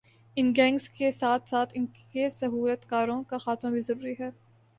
ان gangs کے ساتھ ساتھ انکے سہولت کاروں کا خاتمہ بھی ضروری ہے